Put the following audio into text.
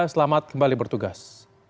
selamat kembali bertugas